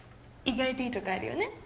意外といいとこあるよね？